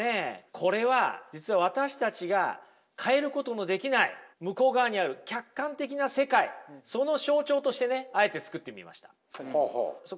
これは実は私たちが変えることのできない向こう側にある客観的な世界その象徴としてねあえてつくってみました。